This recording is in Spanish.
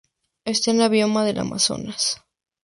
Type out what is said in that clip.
Está en el bioma del Amazonas.